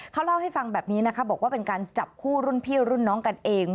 เขาเล่าให้ฟังแบบนี้นะคะบอกว่าเป็นการจับคู่รุ่นพี่รุ่นน้องกันเอง